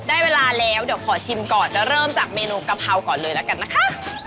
ได้เวลาแล้วเดี๋ยวขอชิมก่อนจะเริ่มจากเมนูกะเพราก่อนเลยละกันนะคะ